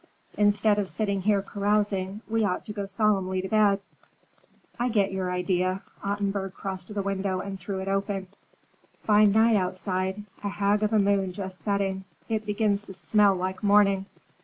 Instead of sitting here carousing, we ought to go solemnly to bed." "I get your idea." Ottenburg crossed to the window and threw it open. "Fine night outside; a hag of a moon just setting. It begins to smell like morning.